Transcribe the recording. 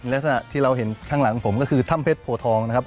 ลักษณะที่เราเห็นข้างหลังผมก็คือถ้ำเพชรโพทองนะครับ